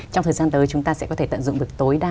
trong thời gian tới chúng ta sẽ có thể tận dụng được tối đa